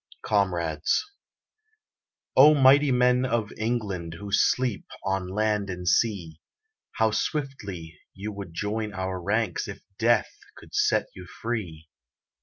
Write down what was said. COMRADES O mighty men of England Who sleep on land and sea, How swiftly you would join our ranks If Death could set you free!